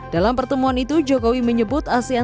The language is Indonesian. dalam pertemuan itu jokowi menyebut asean telah berpengalaman